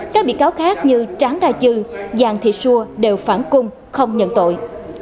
các bị cáo khác như tráng đa chư giang thị xua đều phản cung không nhận tội